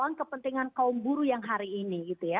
tapi juga kepentingan kaum buru yang hari ini gitu ya